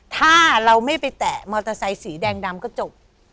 ถ้าเราไม่ไปแตะมอเตอร์ไซค์สีแดงดำก็จบ